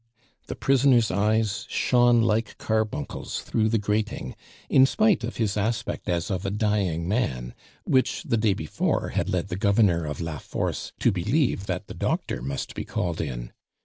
The prisoner's eyes shone like carbuncles through the grating, in spite of his aspect as of a dying man, which, the day before, had led the governor of La Force to believe that the doctor must be called in.